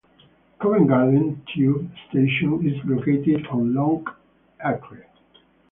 Covent Garden tube station is located on Long Acre.